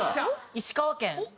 石川県。